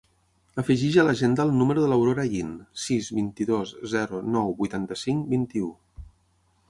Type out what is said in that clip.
Afegeix a l'agenda el número de l'Aurora Yin: sis, vint-i-dos, zero, nou, vuitanta-cinc, vint-i-u.